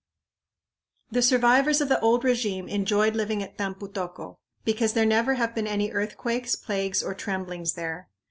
The survivors of the old régime enjoyed living at Tampu tocco, because there never have been any earthquakes, plagues, or tremblings there.